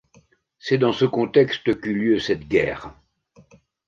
C'est dans ce contexte qu'eut lieu cette guerre.